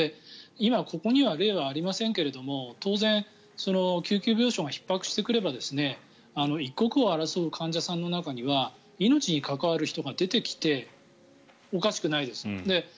今、ここには例はありませんけど当然救急病床がひっ迫してくれば一刻を争う患者さんの中には命に関わる人が出てきておかしくないですよね。